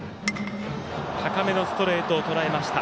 高めのストレートをとらえました。